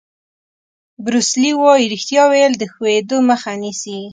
بروس لي وایي ریښتیا ویل د ښویېدو مخه نیسي.